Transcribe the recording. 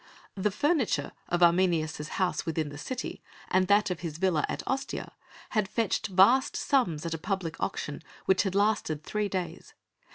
The furniture of Arminius' house within the city and that of his villa at Ostia had fetched vast sums at a public auction which had lasted three days.